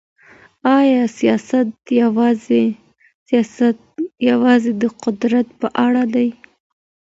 آیا سیاست یوازې د قدرت په اړه دی؟